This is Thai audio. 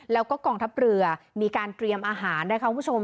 แล้วก็กองทัพเรือมีการเตรียมอาหารนะคะคุณผู้ชม